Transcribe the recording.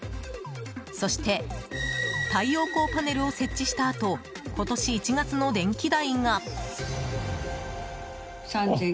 そして太陽光パネルを設置したあと今年１月の電気代が。